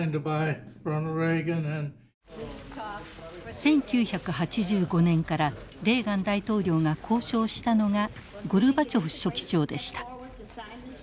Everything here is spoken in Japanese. １９８５年からレーガン大統領が交渉したのがゴルバチョフ書記長でした。